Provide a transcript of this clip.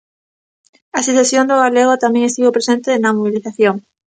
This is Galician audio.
A situación do galego tamén estivo presente na mobilización.